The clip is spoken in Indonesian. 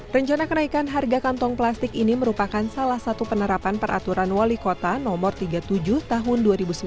rencana kenaikan harga kantong plastik ini merupakan salah satu penerapan peraturan wali kota no tiga puluh tujuh tahun dua ribu sembilan belas